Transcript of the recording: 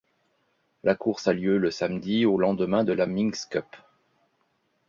La course a lieu le samedi, au lendemain de la Minsk Cup.